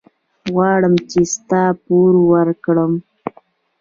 غواړم چې ستا پور ورکړم.